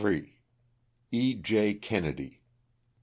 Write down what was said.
E. J. KENNEDY.